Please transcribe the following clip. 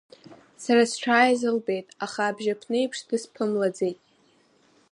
Сара сшааиз лбеит, аха абжьааԥнеиԥш дысԥымлаӡеит.